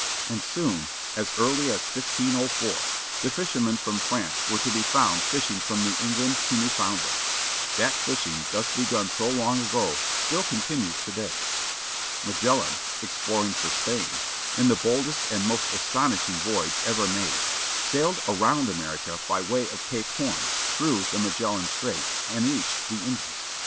And soon, as early as 1504, the fishermen from France were to be foimd fishing from New England to Newfoundland. That fishing thus begim so long ago still continues today. Magellan, exploring for Spain, in the boldest and most astonishing voyage ever made, sailed around America by way of Cape Horn, through the "Magellan Straits, " and reached the Indies.